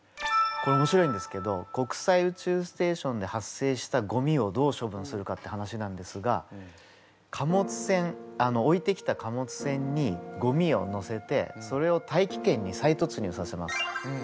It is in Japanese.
これ面白いんですけど国際宇宙ステーションで発生したゴミをどう処分するかって話なんですが貨物船置いてきた貨物船にゴミを載せてそれを大気圏に再突入させます。